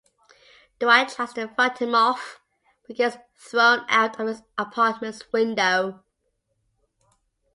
Dwight tries to fight him off, but gets thrown out of his apartment's window.